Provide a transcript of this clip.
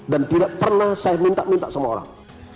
dan tidak pernah saya minta minta sama orang